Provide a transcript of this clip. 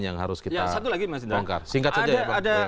yang harus kita bongkar ya satu lagi mas indra